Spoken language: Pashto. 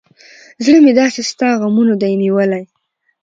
زړه مې داسې ستا غمونه دى نيولى.